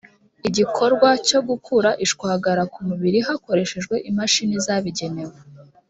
igikorwa cyo gukura ishwagara ku mibiri hakoreshejwe imashini zabigenewe